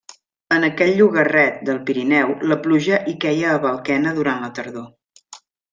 En aquell llogarret del Pirineu la pluja hi queia a balquena durant la tardor.